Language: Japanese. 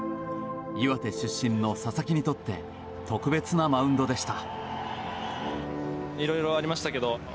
岩手出身の佐々木にとって特別なマウンドでした。